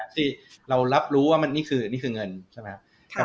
ที่เรารับรู้ว่านี่คือนี่คือเงินใช่ไหมครับ